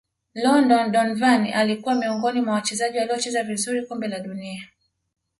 london donovan alikwa miongoni mwa wachezaji waliocheza vizuri kombe la dunia